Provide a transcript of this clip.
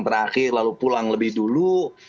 terakhir lalu pulang lebih dulu